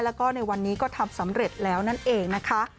แล้วก็ในวันนี้ก็ทำสำเร็จแล้วนั่นเองนะคะ